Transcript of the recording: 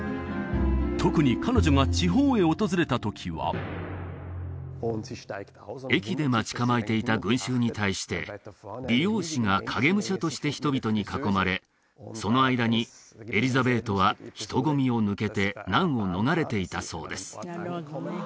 特に彼女が地方へ訪れた時は駅で待ち構えていた群衆に対して美容師が影武者として人々に囲まれその間にエリザベートは人混みを抜けて難を逃れていたそうです